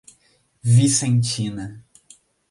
Vicentina